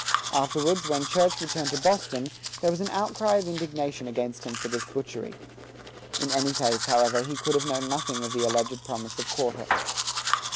Afterwards, when Church returned to Boston, there was an outcry of indignation against him for this butchery. In any case, however, he could have known nothing of the alleged promise of quarter.